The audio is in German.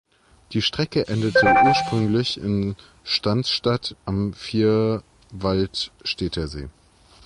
Die Strecke endete ursprünglich in Stansstad am Vierwaldstättersee.